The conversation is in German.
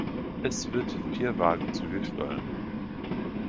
Es wird Vier-Wagen-Züge steuern.